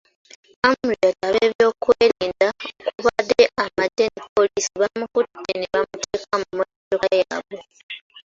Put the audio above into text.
Amuriat ab'ebyokwerinda okubadde amagye ne poliisi bamukutte ne bamuteeka mu mmotoka yaabwe.